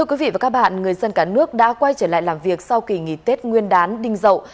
các bạn người dân cả nước đã quay trở lại làm việc sau kỳ nghỉ tết nguyên đán đinh dậu